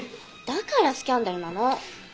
だからスキャンダルなの。